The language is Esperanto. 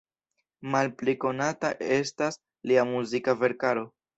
Malpli konata estas lia muzika verkaro.